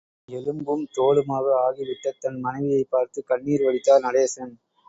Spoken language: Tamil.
எலும்பும் தோலுமாக ஆகிவிட்டத் தன் மனைவியைப் பார்த்துக் கண்ணீர் வடித்தார் நடேசன்.